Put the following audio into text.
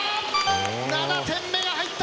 ７点目が入った。